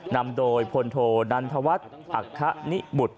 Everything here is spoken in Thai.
นำโดยพลโทนันทวัฒน์อัคคณิบุตร